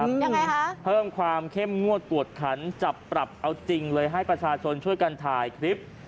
ยังไงคะเพิ่มความเข้มงวดกวดขันจับปรับเอาจริงเลยให้ประชาชนช่วยกันถ่ายคลิป